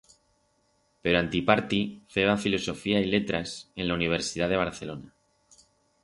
Pero antiparti feba Filosofía y Letras en la Universidat de Barcelona.